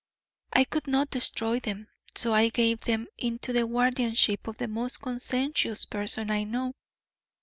I could not destroy them, so I gave them into the guardianship of the most conscientious person I know.